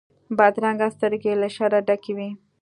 بدرنګه سترګې له شره ډکې وي